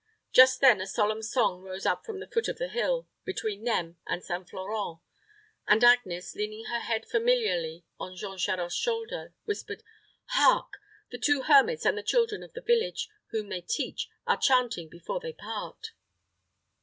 Just then a solemn song rose up from the foot of the hill, between them and St. Florent, and Agnes, leaning her head familiarly on Jean Charost's shoulder, whispered, "Hark! The two hermits and the children of the village, whom they teach, are chanting before they part."